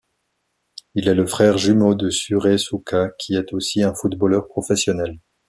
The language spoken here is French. Il est le frère jumeau de Suree Sukha, qui est aussi un footballeur professionnel.